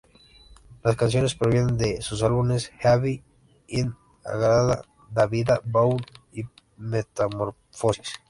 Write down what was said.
Las canciones provienen de sus álbumes: "Heavy", "In-A-Gadda-Da-Vida", "Ball" y "Metamorphosis".